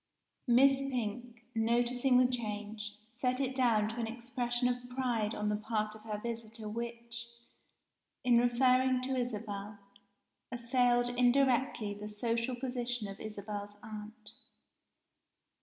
Miss Pink, noticing the change, set it down to an expression of pride on the part of her visitor which, in referring to Isabel, assailed indirectly the social position of Isabel's aunt.